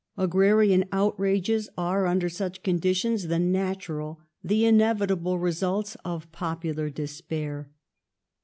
Agrarian outrages are, under such conditions, the natural, the inevi table result of popular despair.